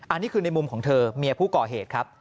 อันนี้คือในมุมของเธอเมียผู้ก่อเหตุครับ